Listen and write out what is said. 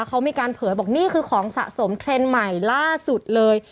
เขามีการเผยบอกนี่คือของสะสมเทรนด์ใหม่ล่าสุดเลย